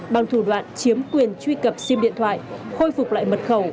bằng thủ đoạn chiếm quyền truy cập sim điện thoại khôi phục lại mật khẩu